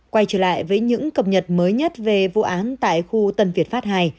quay trở lại với những cập nhật mới nhất về vụ án tại khu tân việt pháp ii